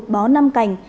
một bó năm cành